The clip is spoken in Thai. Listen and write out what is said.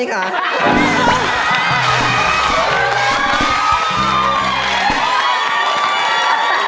มีผ้าน้ำใบไหมคะ